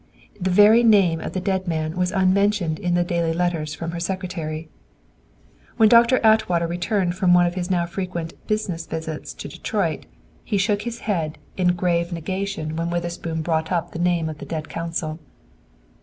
The very name of the dead man was unmentioned in the daily letters from her secretary. When Doctor Atwater returned from one of his now frequent "business" visits to Detroit, he shook his head in a grave negation when Witherspoon brought up the name of the dead counsel.